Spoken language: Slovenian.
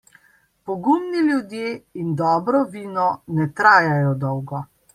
Pogumni ljudje in dobro vino ne trajajo dolgo.